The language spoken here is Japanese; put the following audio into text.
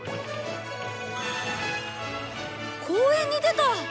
公園に出た！